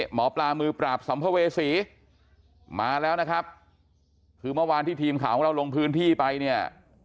หมอปลามือปราบสัมภเวษีมาแล้วนะครับคือเมื่อวานที่ทีมข่าวของเราลงพื้นที่ไปเนี่ย